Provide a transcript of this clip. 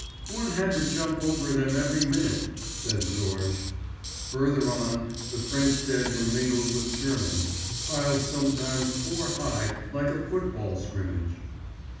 "One had to jump over them every minute," said Georges. Further on, the French dead were mingled with Germans, piled sometimes four high like a football scrimmage.